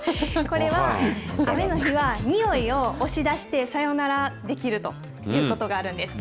これは、雨の日はにおいを押し出して、さよならできるということがあるんです。